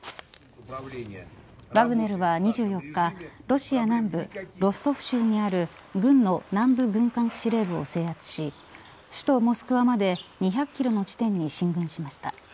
ワグネルは２４日ロシア南部ロストフ州にある軍の南部軍官司令部を制圧し首都モスクワまで２００キロの地点に進軍しました。